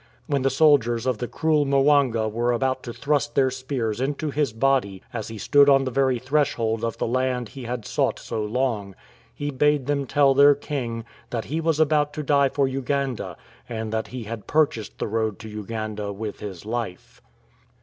When the soldiers of the cruel Mwanga were about to thrust their spears into his body as he stood on the very threshold of the land he had sought so long, he bade them tell their king " that he was about to die for Uganda, and that he had purchased the road to Uganda with his life."